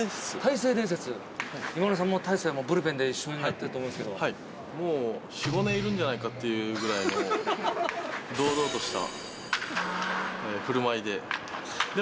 今村さんも大勢選手とブルペンで一緒になったりすると思うんですもう、４、５年いるんじゃないかというぐらいの堂々としたふるまいで。